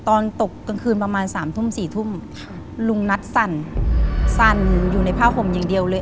ตอนตกกลางคืนประมาณสามทุ่มสี่ทุ่มครับลุงนัทสั่นสั่นอยู่ในผ้าห่มอย่างเดียวเลย